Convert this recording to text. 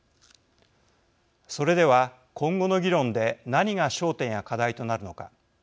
それでは今後の議論で何が焦点や課題となるのか。